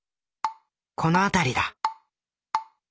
この辺りだ。